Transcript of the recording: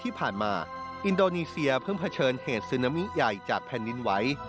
ที่ผ่านมาอินโดนีเซียเพิ่งเผชิญเหตุซึนามิใหญ่จากแผ่นดินไหว